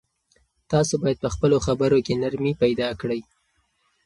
تاسو باید په خپلو خبرو کې نرمي پیدا کړئ.